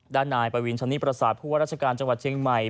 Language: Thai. ด้านนายปวินชะนิประสาทผู้ว่าราชการจังหวัดเชียงใหม่